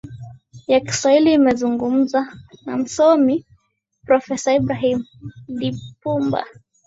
ya kiswahili imezungumza na msomi profesa ibrahim lipumba